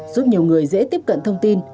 giúp nhiều người dễ tiếp cận thông tin